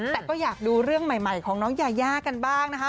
แต่ก็อยากดูเรื่องใหม่ของน้องยายากันบ้างนะคะ